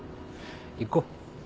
行こう。